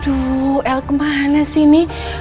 aduh el kemana sih ini